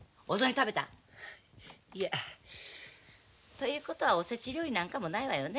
ということはお節料理なんかもないわよね？